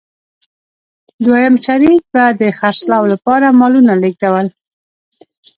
دویم شریک به د خرڅلاو لپاره مالونه لېږدول.